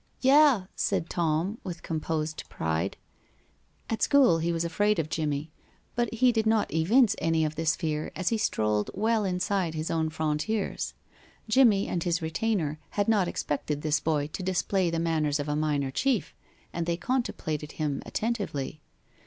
"Yeh," said Tom, with composed pride. At school he was afraid of Jimmie, but he did not evince any of this fear as he strolled well inside his own frontiers. Jimmie and his retainer had not expected this boy to display the manners of a minor chief, and they contemplated him attentively.